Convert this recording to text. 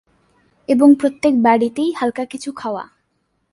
এবং প্রত্যেক বাড়িতেই হালকা কিছু খাওয়া।